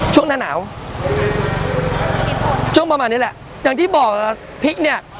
ช่วงหน้าหนาวช่วงประมาณนี้แหละอย่างที่บอกพริกเนี่ย